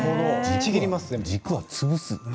軸を潰す。